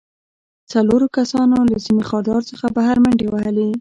څلورو کسانو له سیم خاردار څخه بهر منډې وهلې